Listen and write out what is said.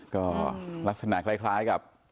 ก็ลักษณะคล้ายกับ